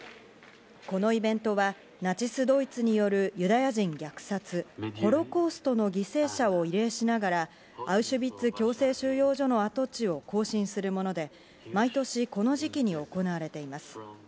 このイベントはナチス・ドイツによるユダヤ人虐殺、ホロコーストの犠牲者を慰霊しながら、アウシュビッツ強制収容所の跡地を行進するもので、毎年この時期に行われています。